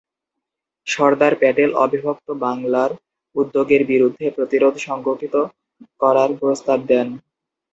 সর্দার প্যাটেল অবিভক্ত বাংলার উদ্যোগের বিরুদ্ধে প্রতিরোধ সংগঠিত করার প্রস্তাব দেন।